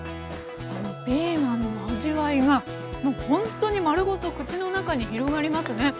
ピーマンの味わいがもうほんとに丸ごと口の中に広がりますね。